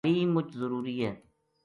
تعلیم مچ ضروری ہے۔